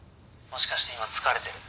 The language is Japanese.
もしかして今疲れてる？